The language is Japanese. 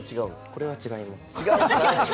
これは違います。